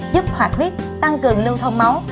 giúp hoạt huyết tăng cường lưu thông máu